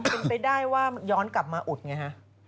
เป็นไปได้ว่าย้อนกลับมาอุดไงฮะ